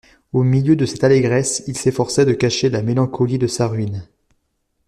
Au milieu de cette allégresse, il s'efforçait de cacher la mélancolie de sa ruine.